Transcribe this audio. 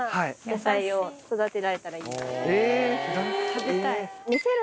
食べたい。